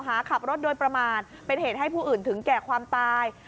หาขับรถโดยประมาทเป็นเหตุให้ผู้อื่นถึงแก่ความตาย